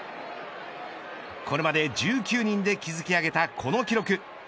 これまで１９人で築き上げたこの記録。